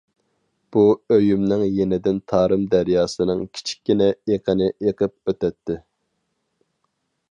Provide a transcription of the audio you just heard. بۇ ئۆيۈمنىڭ يېنىدىن تارىم دەرياسىنىڭ كىچىككىنە ئېقىنى ئېقىپ ئۆتەتتى.